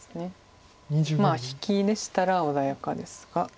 まあ引きでしたら穏やかですが。